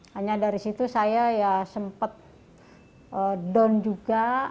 hanya dari situ saya sempat don juga